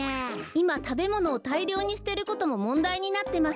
いまたべものをたいりょうにすてることももんだいになってます。